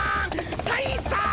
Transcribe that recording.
たいさん！